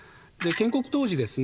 建国当時ですね